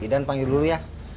idan panggil dulu ya